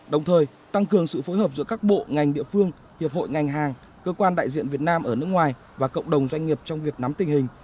đồng thời tăng cường sự phối hợp giữa các bộ ngành địa phương hiệp hội ngành hàng cơ quan đại diện việt nam ở nước ngoài và cộng đồng doanh nghiệp trong việc nắm tình hình